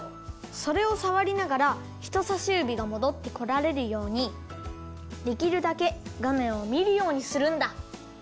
それをさわりながらひとさしゆびがもどってこられるようにできるだけがめんをみるようにするんだ。